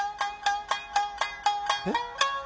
えっ？